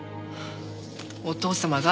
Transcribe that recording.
お義父様が？